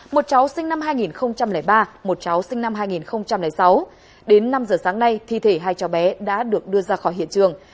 một cháu sinh năm hai nghìn ba một cháu sinh năm hai nghìn sáu đến năm giờ sáng nay thi thể hai cháu bé đã được đưa ra khỏi hiện trường